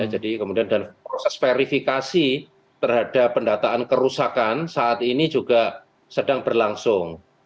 jadi kemudian proses verifikasi terhadap pendataan kerusakan saat ini juga sedang berlangsung